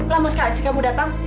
lama sekali sih kamu datang